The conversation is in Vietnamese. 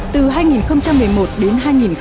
từ hai nghìn một mươi một đến hai nghìn một mươi